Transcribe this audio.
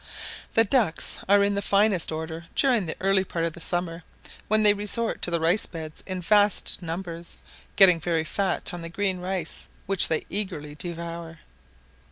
The ducks are in the finest order during the early part of the summer, when they resort to the rice beds in vast numbers, getting very fat on the green rice, which they eagerly devour.